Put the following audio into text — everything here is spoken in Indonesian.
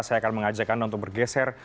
saya akan mengajak anda untuk bergeser